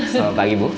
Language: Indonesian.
selamat pagi bu